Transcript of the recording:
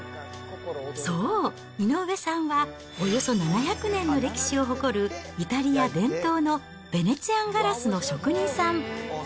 そう、井上さんはおよそ７００年の歴史を誇る、イタリア伝統のヴェネツィアンガラスの職人さん。